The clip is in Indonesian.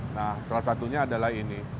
nah salah satunya adalah ini